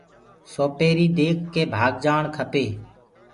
سوپيري ديک ڪي ڀآگجآڻ کپي۔